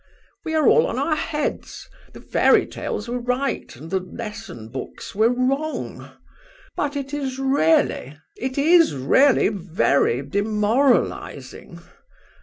We are all on our heads. The fairy tales were right and the lesson books were wrong. But it is really, it is really very demoralizing.